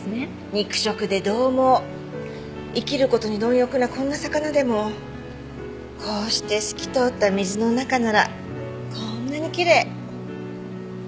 肉食で獰猛生きる事に貪欲なこんな魚でもこうして透き通った水の中ならこんなにきれい。